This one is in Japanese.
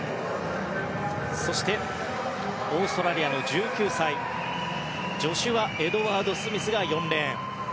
そして、オーストラリアの１９歳ジョシュア・エドワード・スミスが４レーン。